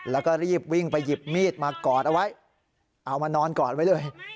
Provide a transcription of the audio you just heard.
แล้วก็รีบวิ่งไปหยิบมีดมากอดเอาไว้เอามานอนกอดไว้เลย